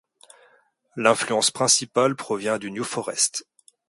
L'influence principale provient du New Forest.